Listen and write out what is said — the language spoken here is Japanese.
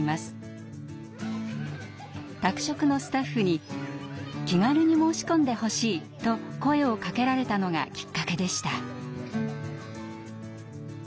宅食のスタッフに「気軽に申し込んでほしい」と声をかけられたのがきっかけでした。